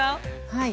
はい。